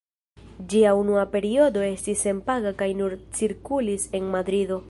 Ĝia unua periodo estis senpaga kaj nur cirkulis en Madrido.